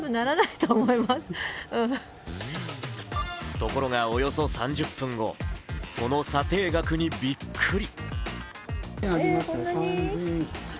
ところがおよそ３０分後、その査定額にびっくり。